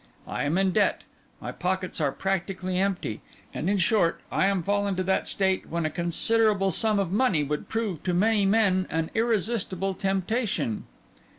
I am in debt; my pockets are practically empty; and, in short, I am fallen to that state when a considerable sum of money would prove to many men an irresistible temptation.